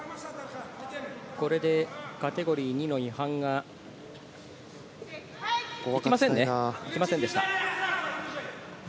これでカテゴリー２の違反が。いきませんね、きませんでした。